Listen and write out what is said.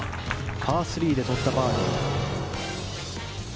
パー３で取ったバーディー。